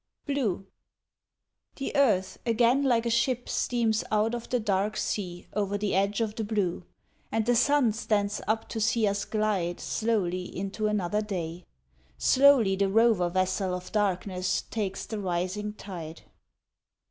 BLUE THE earth again like a ship steams out of the dark sea over The edge of the blue, and the sun stands up to see us glide Slowly into another day; slowly the rover Vessel of darkness takes the rising tide.